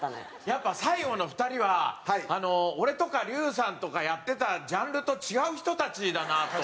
やっぱ最後の２人は俺とか竜さんとかやってたジャンルと違う人たちだなと。